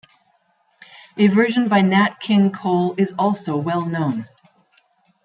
A version by Nat King Cole is also well known.